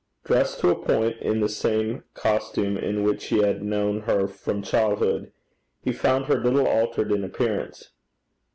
Dressed to a point in the same costume in which he had known her from childhood, he found her little altered in appearance.